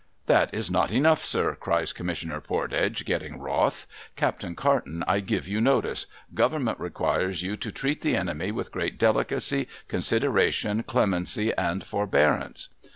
' That is not enough, sir,' cries Commissioner Pordage, getting wroth. ' Captain Carton, I give you notice. Government requires you to treat the enemy with great delicacy, consideration, clemency, and forbearance.'